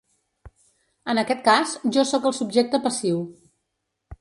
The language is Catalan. En aquest cas, jo sóc el subjecte passiu.